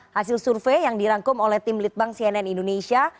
hasil survei yang dirangkum oleh tim litbang cnn indonesia